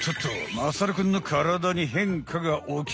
まさるくんのカラダに変化が起きるぞい。